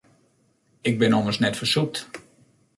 Ik bin ommers net fersûpt.